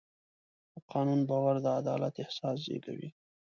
د قانون باور د عدالت احساس زېږوي.